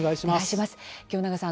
清永さん